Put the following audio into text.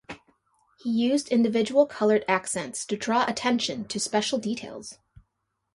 He used individual coloured accents to draw attention to special details.